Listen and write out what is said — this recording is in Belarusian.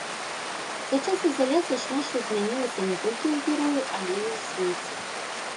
За час ізаляцыі шмат што змянілася не толькі ў герояў, але і ў свеце.